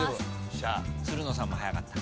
つるのさんも早かった。